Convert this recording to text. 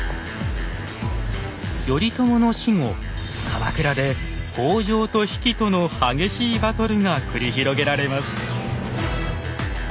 頼朝の死後鎌倉で北条と比企との激しいバトルが繰り広げられます。